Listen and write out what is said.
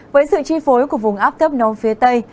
với sự chi phối của vùng áp thấp nóng phía tây